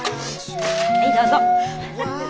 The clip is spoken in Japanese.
はいどうぞ。